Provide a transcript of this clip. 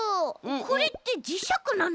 これってじしゃくなの？